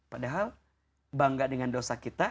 padahal bangga dengan dosa kita